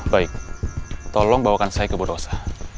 baik tolong bawakan saya ke burung osa